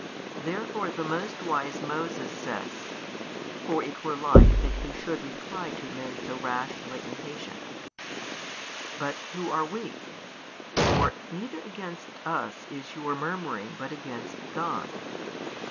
Therefore the most wise Moses says (for it were like that he should reply to men so rashly impatient), But who are we? for neither against us is your murmuring but against God.